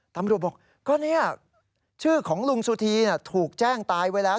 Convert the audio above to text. ตำรวจบอกก็เนี่ยชื่อของลุงสุธีถูกแจ้งตายไว้แล้ว